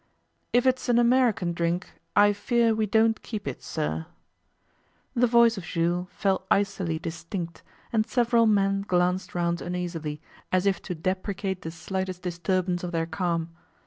'If it's an American drink, I fear we don't keep it, sir.' The voice of Jules fell icily distinct, and several men glanced round uneasily, as if to deprecate the slightest disturbance of their calm.